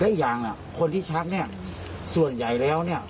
ก็อีกอย่างคนที่ชักส่วนใหญ่แล้ว